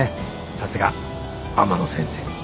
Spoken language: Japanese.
さすが天野先生。